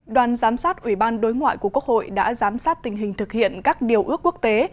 đoàn giám sát ủy ban đối ngoại của quốc hội đã giám sát tình hình thực hiện các điều ước quốc tế